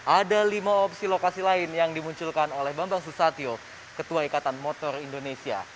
ada lima opsi lokasi lain yang dimunculkan oleh bambang susatyo ketua ikatan motor indonesia